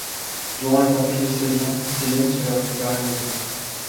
Durant le partage de ses biens, c’est Léon qui va récupérer la maison.